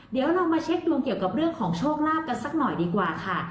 เดี๋ยวเรามาเช็คดวงเกี่ยวกับเรื่องของโชคลาภกันสักหน่อยดีกว่าค่ะ